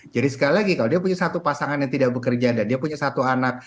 jadi sekali lagi kalau dia punya satu pasangan yang tidak bekerja dan dia punya satu anak